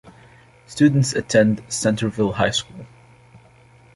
Students attend Centerville High School.